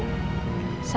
saya juga ada di dalam